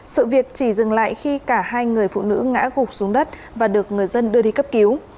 sự việc chỉ dừng lại khi cả hai người phụ nữ ngã gục xuống đất và được người dân đưa đi cấp cứu